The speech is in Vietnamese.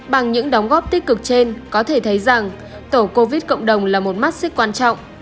bằng những đóng góp tích cực trên có thể thấy rằng tẩu covid cộng đồng là một mắt xích quan trọng